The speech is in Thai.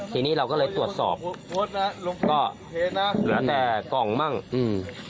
ทีนี้เราก็เลยตรวจสอบเหลือแต่กล่องมั่งอืม